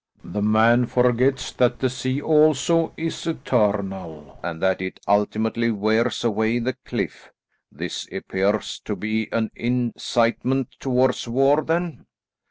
"The man forgets that the sea also is eternal, and that it ultimately wears away the cliff. This appears to be an incitement towards war, then?"